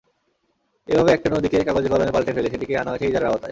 এভাবে একটা নদীকে কাগজে-কলমে পাল্টে ফেলে সেটিকে আনা হয়েছে ইজারার আওতায়।